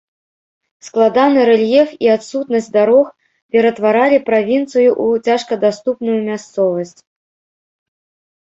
Складаны рэльеф і адсутнасць дарог ператваралі правінцыю ў цяжкадаступную мясцовасць.